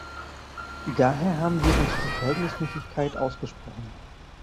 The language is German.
Daher haben wir uns für Verhältnismäßigkeit ausgesprochen.